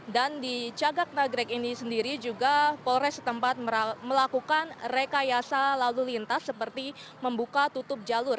dan di cagak nagrek ini sendiri juga polres setempat melakukan rekayasa lalu lintas seperti membuka tutup jalur